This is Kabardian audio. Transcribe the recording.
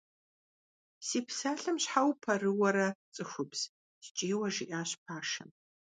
Си псалъэм щхьэ упэрыуэрэ, цӀыхубз? – ткӀийуэ жиӀащ пашэм.